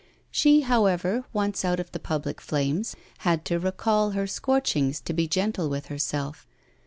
She, however, once out of the public flames, had to recall her scorchings to be gentle with herself.